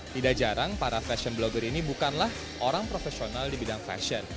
tidak jarang para fashion blogger ini bukanlah orang profesional di bidang fashion